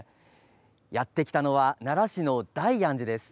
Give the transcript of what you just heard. やって来たのは奈良市の大安寺です。